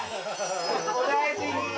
お大事に。